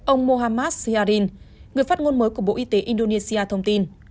ông mohamad siarin người phát ngôn mới của bộ y tế indonesia thông tin